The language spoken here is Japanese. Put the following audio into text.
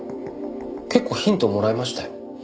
結構ヒントもらいましたよ。